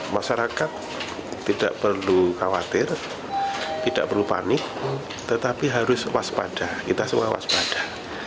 masyarakat tidak perlu khawatir tidak perlu panik tetapi harus waspada kita semua waspada